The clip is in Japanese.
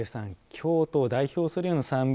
京都を代表するような産物